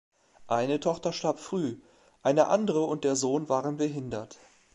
Eine Tochter starb früh, eine andere und der Sohn waren behindert.